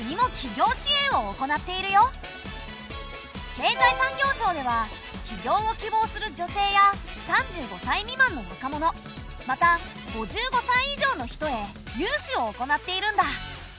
経済産業省では起業を希望する女性や３５歳未満の若者また５５歳以上の人へ融資を行っているんだ。